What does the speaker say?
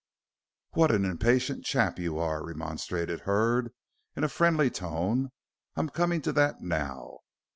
"What an impatient chap you are," remonstrated Hurd, in a friendly tone. "I'm coming to that now.